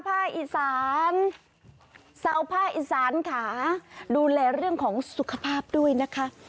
ภาคอีสานเสาภาคอีสานค่ะดูแลเรื่องของสุขภาพด้วยนะคะ